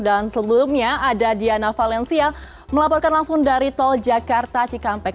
dan sebelumnya ada diana valencia melaporkan langsung dari tol jakarta cikampek